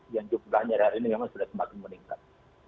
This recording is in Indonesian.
yang jumlahnya hari ini memang sudah semakin meningkat